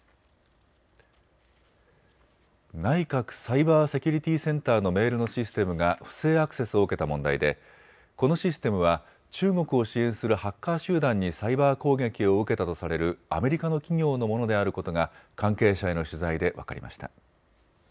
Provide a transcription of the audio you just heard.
内閣サイバーセキュリティセンターのメールのシステムが不正アクセスを受けた問題でこのシステムは中国を支援するハッカー集団にサイバー攻撃を受けたとされるアメリカの企業のものであることが関係者への取材で分かりました。